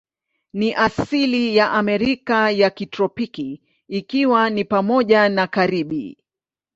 Ni asili ya Amerika ya kitropiki, ikiwa ni pamoja na Karibi.